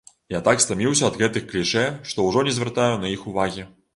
Я так стаміўся ад гэтых клішэ, што ўжо не звяртаю на іх увагі!